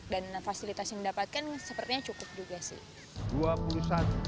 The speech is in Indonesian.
dan fasilitas yang dapatkan sepertinya cukup juga sih